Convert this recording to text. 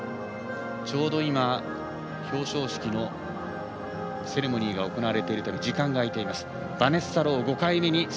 ちょうど今、表彰式のセレモニーが行われているため時間が空いています。